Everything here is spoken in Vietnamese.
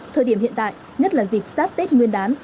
thời điểm hiện tại nhất là dịp sát tết nguyên đán